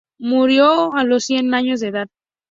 Murió a los cien años de edad.